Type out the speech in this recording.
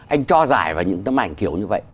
anh cho giải vào những tấm ảnh kiểu như vậy